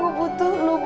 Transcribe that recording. gue butuh lo banget kiki